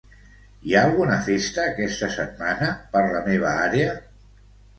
Hi ha alguna festa aquesta setmana per la meva àrea?